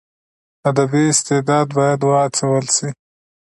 ادبي استعداد باید وهڅول سي.